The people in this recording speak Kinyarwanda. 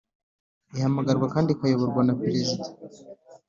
Ihamagarwa kandi ikayoborwa na perezida